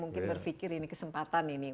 mungkin berpikir ini kesempatan ini